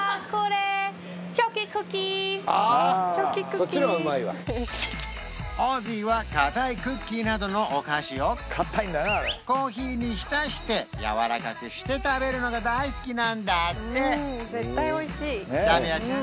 そっちの方がうまいわオージーはかたいクッキーなどのお菓子をコーヒーに浸してやわらかくして食べるのが大好きなんだってシャミアちゃん